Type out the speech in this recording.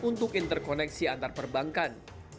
untuk interkoneksi antar perbankan